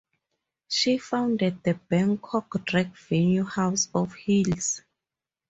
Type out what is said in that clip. She founded the Bangkok drag venue House of Heals.